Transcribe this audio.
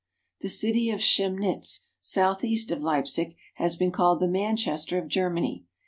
The city of Chemnitz, southeast of Leipsig, has been called the Manchester of Germany.